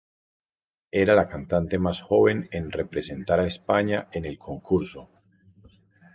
Era la cantante más joven en representar a España en el concurso.